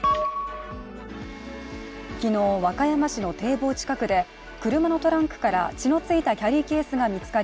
昨日、和歌山市の堤防近くで車のトランクから血の付いたキャリーケースが見つかり